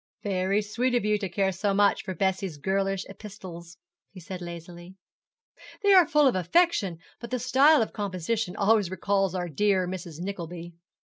'Very sweet of you to care so much for Bessie's girlish epistles,' he said lazily; 'they are full of affection, but the style of composition always recalls our dear Mrs. Nickleby.